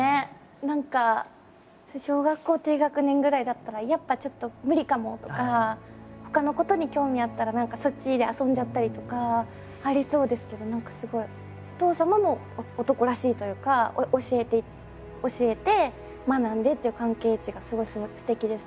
何か小学校低学年ぐらいだったら「やっぱちょっと無理かも」とかほかのことに興味あったら何かそっちで遊んじゃったりとかありそうですけど何かすごいお父様も男らしいというか教えて学んでっていう関係値がすごいすてきですね。